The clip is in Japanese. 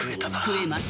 食えます。